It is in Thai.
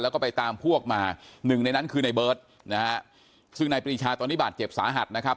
แล้วก็ไปตามพวกมาหนึ่งในนั้นคือในเบิร์ตนะฮะซึ่งนายปรีชาตอนนี้บาดเจ็บสาหัสนะครับ